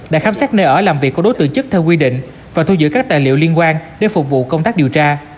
đã khám xét nơi ở làm việc của đối tượng chức theo quy định và thu giữ các tài liệu liên quan để phục vụ công tác điều tra